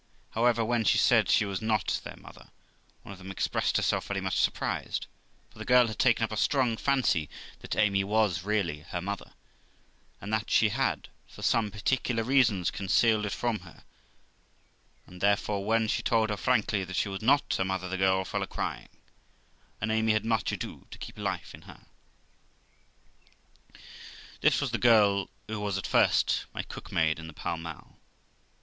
However, when she said she was not their mother, one of them expressed herself very much surprised, for the girl had taken up a strong fancy that Amy was really her mother, and that she had, for some particular reasons, concealed it from her; and therefore, when she told her frankly that she was not her mother, the girl fell a crying, and Amy had much ado to keep life in her. This was the girl who was at first my cook maid m the Pall Mall.